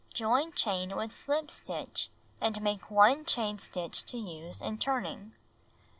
Join chain with slijo stitch and make 1 chain stitch to use in turning.